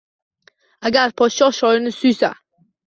Agar podshoh shoirni suysa